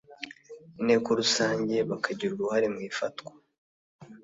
Inteko rusange bakagira uruhare mu ifatwa